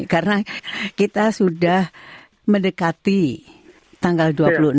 karena kita sudah mendekati tanggal dua puluh enam